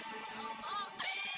aku sudah menangis